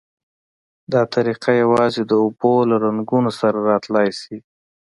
دا طریقه یوازې د اوبو له رنګونو سره را تلای شي.